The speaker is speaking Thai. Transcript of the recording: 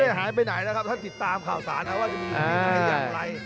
ไม่ได้หายไปไหนนะครับถ้าติดตามข่าวสารนะครับว่าจะไปอยู่ที่ไหนอย่างไร